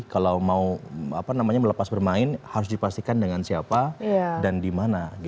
kalau mau melepas bermain harus dipastikan dengan siapa dan di mana